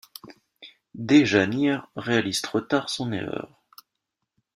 Déjanire réalise trop tard son erreur.